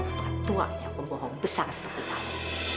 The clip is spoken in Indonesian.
ketuanya yang membohong besar seperti kamu